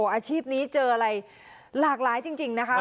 อาชีพนี้เจออะไรหลากหลายจริงนะคะ